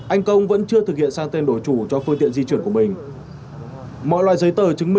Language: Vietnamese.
anh công vẫn chưa thực hiện sang tên đổi chủ cho phương tiện di chuyển của mình mọi loại giấy tờ chứng